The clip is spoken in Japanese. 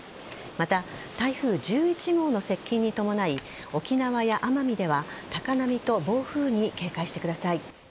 また、台風１１号の接近に伴い沖縄や奄美では高波と暴風に警戒してください。